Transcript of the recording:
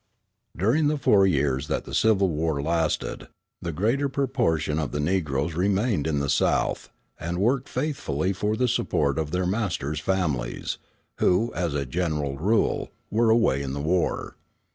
During the four years that the Civil War lasted, the greater proportion of the Negroes remained in the South, and worked faithfully for the support of their masters' families, who, as a general rule, were away in the war.